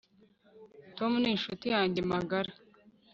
Tom ni inshuti yanjye magara